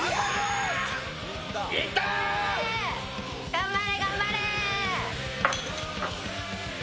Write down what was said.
頑張れ、頑張れ。